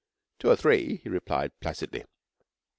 'Two or three,' he replied placidly.